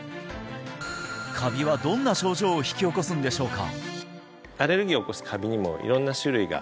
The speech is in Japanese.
カビはどんな症状を引き起こすんでしょうか？